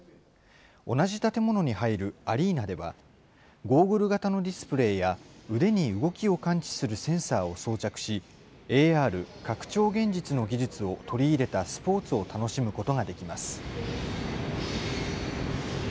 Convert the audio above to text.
同じ建物に入るアリーナでは、ゴーグル型のディスプレーや、腕に動きを感知するセンサーを装着し、ＡＲ・拡張現実の技術を取り入れたスポーツを楽しむことができます。